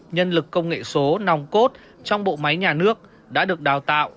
một trăm linh nhân lực công nghệ số nòng cốt trong bộ máy nhà nước đã được đào tạo